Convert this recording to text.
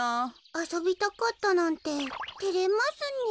あそびたかったなんててれますねえ。